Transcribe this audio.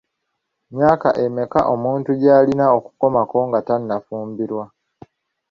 Myaka emeka omuntu gy'alina okukomako nga tannafumbirwa?